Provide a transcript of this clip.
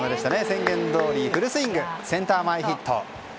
宣言どおりフルスイング、センター前ヒット。